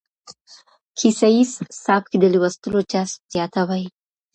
کيسه ييز سبک د لوستلو جذب زياتوي.